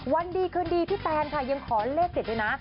วันดีคืนดีพี่แตนค่ะยังขอเลขเด็ดด้วยนะ